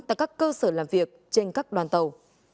tại các cơ sở làm việc trên các đoàn tàu